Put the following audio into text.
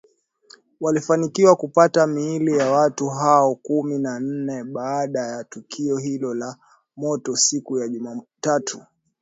Walifanikiwa kupata miili ya watu hao kumi nanne baada ya tukio hilo la moto siku ya Jumatatu